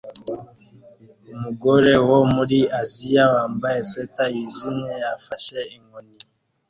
Umugore wo muri Aziya wambaye swater yijimye afashe inkoni